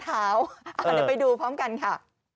เดี๋ยวไปดูพร้อมกันค่ะ